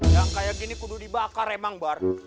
yang kayak gini kudu dibakar emang bar